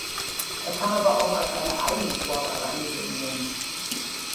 Er kann aber auch als eine eigene Sportart angesehen werden.